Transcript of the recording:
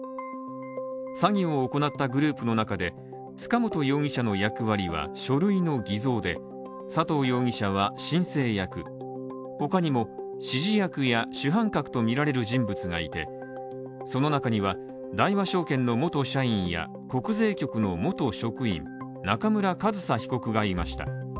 詐欺を行ったグループの中で、塚本容疑者の役割は、書類の偽造で、佐藤容疑者は申請役にも、指示役や主犯格とみられる人物がいて、その中には大和証券の元社員や国税局の元職員中村上総被告がいました。